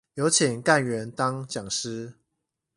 有請幹員當講師